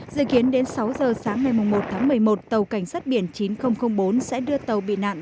dự kiến đến sáu giờ sáng ngày một tháng một mươi một tàu cảnh sát biển chín nghìn bốn sẽ đưa tàu bị nạn